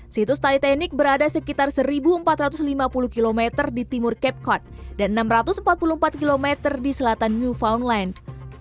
situs titanic berada sekitar satu empat ratus lima puluh km di timur cape cod dan enam ratus empat puluh empat km di selatan newfoundland